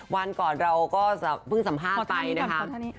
วันก่อนเราก็เพิ่งสัมภาษณ์ไปนะคะ